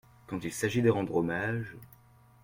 Quand il s’agit de rendre hommage…